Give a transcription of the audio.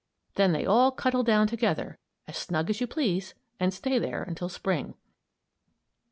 Then they all cuddle down together, as snug as you please, and stay there until Spring.